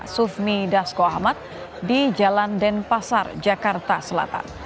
sufmi dasko ahmad di jalan denpasar jakarta selatan